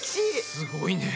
すごいね！